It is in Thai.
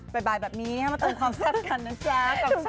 บ๊ายบายแบบนี้มากลุ่มความทรัพย์กันนะจ๊ะ